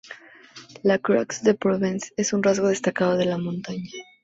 La "Croix de Provence" es un rasgo destacado de la montaña.